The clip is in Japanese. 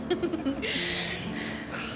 そっか。